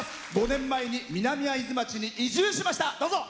５年前に南会津町に移住しました。